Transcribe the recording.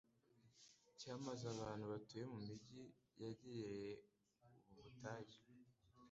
cyamaze abantu batuye mu mijyi yegereye ubu butayu